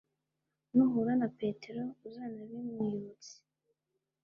nuhura na petero uzanabimwibutse.